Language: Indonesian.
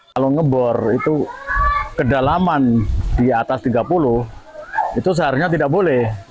kalau ngebor itu kedalaman di atas tiga puluh itu seharusnya tidak boleh